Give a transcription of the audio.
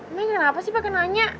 emang kenapa sih pake nanya